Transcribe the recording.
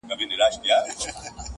زه هم له خدايه څخه غواړمه تا’